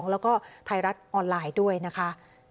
แล้วก็ไทยรัฐออนไลน์ด้วยนะคะ